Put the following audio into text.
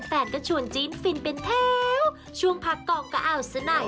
แฟนก็ชวนจีนฟินเป็นแถวช่วงพักกองก็เอาซะหน่อย